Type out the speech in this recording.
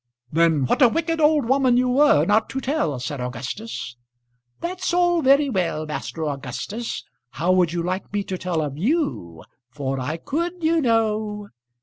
"Then what a wicked old woman you were not to tell," said Augustus. "That's all very well, Master Augustus. How would you like me to tell of you; for I could, you know?"